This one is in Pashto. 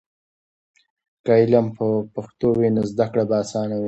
که علم په پښتو وي نو زده کړه به آسانه وي.